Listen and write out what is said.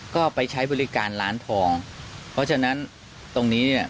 ก็ไปใช้บริการร้านทองเพราะฉะนั้นตรงนี้เนี่ย